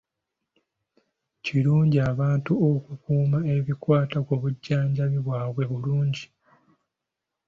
Kirungi abantu okukuuma ebikwata ku bujjanjabi bwabwe bulungi.